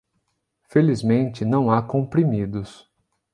Felizmente, não há comprimidos.